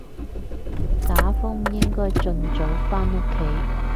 打風應該盡早返屋企